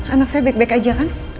anak saya baik baik aja kan